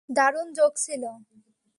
দারুণ জোক ছিল!